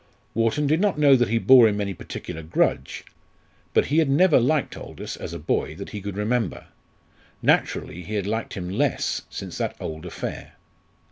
Wharton did not know that he bore him any particular grudge. But he had never liked Aldous, as a boy, that he could remember; naturally he had liked him less since that old affair.